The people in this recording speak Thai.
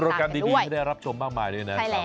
มีโปรดกรรมทีวีที่ได้รับชมมากมายด้วยนะครับ